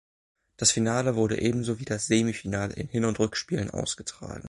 Das Finale wurde ebenso wie das Semifinale in Hin- und Rückspielen ausgetragen.